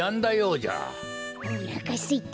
おなかすいた。